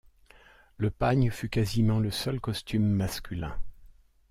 Le pagne fut quasiment le seul costume masculin.